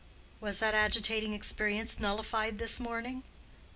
Was that agitating experience nullified this morning?